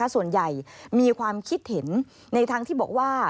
ส่วนใหญ่มีความคิดเห็นในทั้งที่บอกว่า